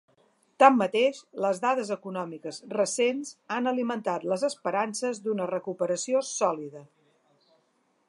Tanmateix, les dades econòmiques recents han alimentat les esperances d’una recuperació sòlida.